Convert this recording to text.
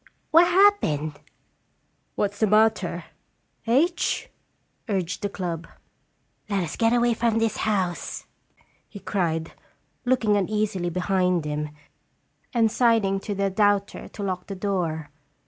"What happened?" "What's the matter, H ?" urged the club. "Let us get away from this house!" he cried, looking uneasily behind him, and sign ing to the doubter to lock the door.